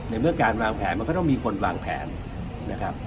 เมื่อการวางแผนมันก็ต้องมีคนวางแผนนะครับ